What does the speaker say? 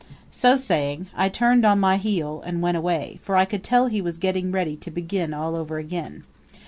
So saying, I turned on my heel and went away, for I could tell he was getting ready to begin all over again.